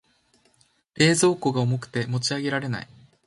冷蔵庫が重くて持ち上げられない。